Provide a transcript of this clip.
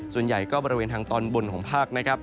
ส่วนใหญ่ก็บริเวณทางตอนบนของภาคนะครับ